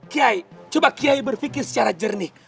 kiai coba kiai berpikir secara jernih